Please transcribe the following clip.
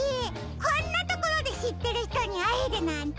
こんなところでしってるひとにあえるなんて！